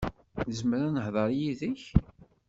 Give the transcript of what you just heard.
Nezmer ad nehder yid-k?